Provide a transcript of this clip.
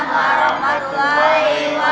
waalaikumsalam warahmatullahi wabarakatuh